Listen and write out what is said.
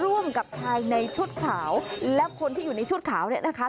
ร่วมกับชายในชุดขาวและคนที่อยู่ในชุดขาวเนี่ยนะคะ